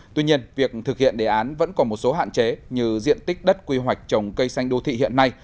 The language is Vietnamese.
tuy nhiên việc thực hiện đề án vẫn còn một số hạn chế như diện tích đất quy hoạch trồng cây xanh đô thị hiện nay